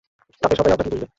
তাতে সবাই আপনাকে দুষবে।